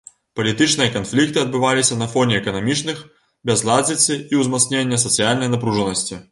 Палітычныя канфлікты адбываліся на фоне эканамічных бязладзіцы і ўзмацнення сацыяльнай напружанасці.